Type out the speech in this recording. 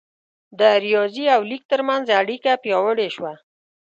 د ریاضي او لیک ترمنځ اړیکه پیاوړې شوه.